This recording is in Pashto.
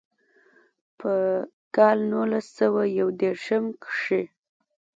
پۀ کال نولس سوه يو ديرشم کښې